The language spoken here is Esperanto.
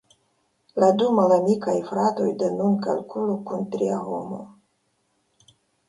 La du malamikaj fratoj de nun kalkulu kun tria homo.